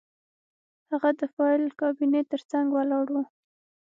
هغه د فایل کابینې ترڅنګ ولاړ و